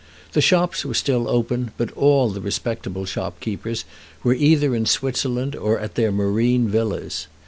The shops were still open, but all the respectable shopkeepers were either in Switzerland or at their marine villas.